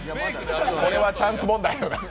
これはチャンス問題や。